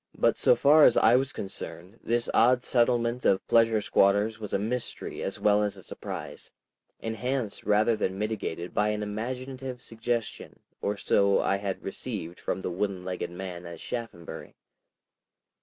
But so far as I was concerned this odd settlement of pleasure squatters was a mystery as well as a surprise, enhanced rather than mitigated by an imaginative suggestion or so I had received from the wooden legged man at Shaphambury.